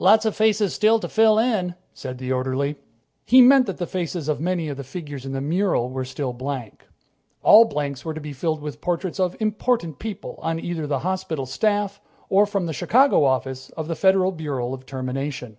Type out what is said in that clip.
"Lot of faces still to fill in," said the orderly. He meant that the faces of many of the figures in the mural were still blank. All blanks were to be filled with portraits of important people on either the hospital staff or from the Chicago Office of the Federal Bureau of Termination.